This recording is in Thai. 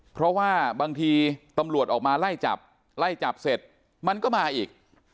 เพราะว่าบางทีตำรวจออกมาไล่จับไล่จับเสร็จมันก็มาอีก